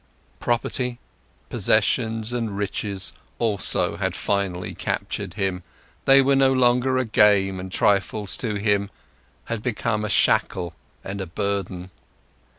Property, possessions, and riches also had finally captured him; they were no longer a game and trifles to him, had become a shackle and a burden.